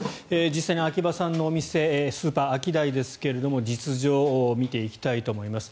実際に秋葉さんのお店スーパー、アキダイですが実情を見ていきたいと思います。